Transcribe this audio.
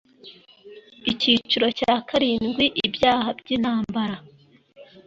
Icyiciro cya karindwi Ibyaha by intambara